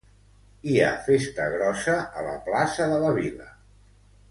Hi ha festa grossa a la plaça de la vila